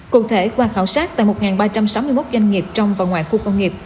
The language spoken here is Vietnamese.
cụ thể qua khảo sát tại một ba trăm sáu mươi một doanh nghiệp trong và ngoài khu công nghiệp